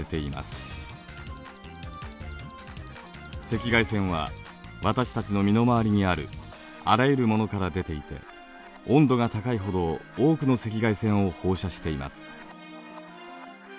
赤外線は私たちの身の回りにあるあらゆるものから出ていて温度が高いほど多くの赤外線を放射しています。